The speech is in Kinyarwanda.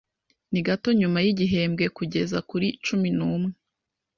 Ni gato nyuma yigihembwe kugeza kuri cumi n'umwe.